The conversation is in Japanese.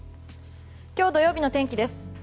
今日土曜日の天気です。